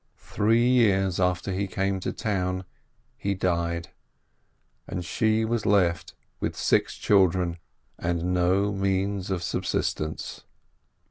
Three years after he came to town, he died, and she was left with six children and no means of subsistence.